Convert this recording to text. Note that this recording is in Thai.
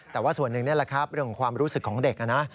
แต่ว่าส่วนหนึ่งนี่แหละครับเรื่องของความรู้สึกของเด็กนะ